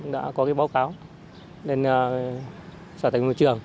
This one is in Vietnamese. đã có cái báo cáo đến sở tài nguyên trường